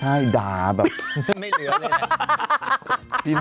เอาข้ามหน่อย